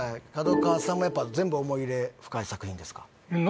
角川さんもやっぱ全部思い入れ深い作品ですか？